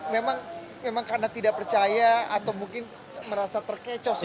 memang karena tidak percaya atau mungkin merasa terkecoh